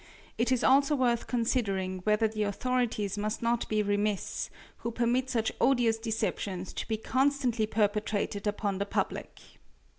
It is also worth considering whether the authorities must not be remiss, who permit such odious deceptions to be constantly perpetrated upon the public.